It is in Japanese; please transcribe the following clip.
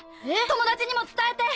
友達にも伝えて！